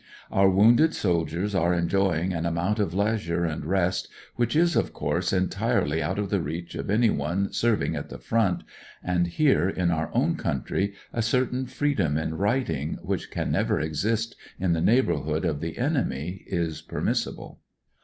Our wounded soldiers are enjoying an amount of leisure and rest which is, of course, entirely out of the reach of anyone serving at the front, and here, in our own country, a certain freedom in writing which can never exist in the neighbourhood of the enemy is permissible.